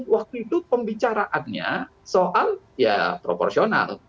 waktu itu pembicaraannya soal ya proporsional